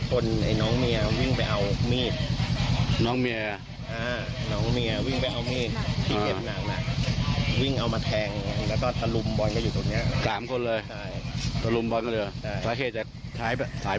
ใครตัดสายปัจจัย